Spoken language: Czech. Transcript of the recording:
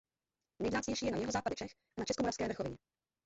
Vzácnější je na jihozápadě Čech a na Českomoravské vrchovině.